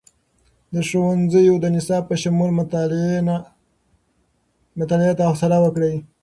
د ښوونځیو د نصاب په شمول، مطالعې ته خوصله ورکړئ.